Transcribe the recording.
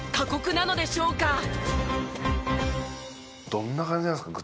どんな感じなんですか？